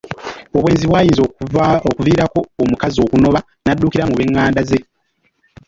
Obwenzi bwayinzanga okuviirako omukazi okunoba n’addukira mu banganda ze.